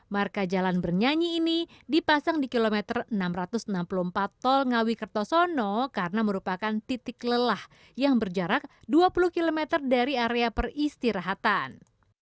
marka jalan bernyanyi ini dipasang di kilometer enam ratus enam puluh empat tol ngawi kertosono karena merupakan titik lelah yang berjarak dua puluh km dari area peristirahatan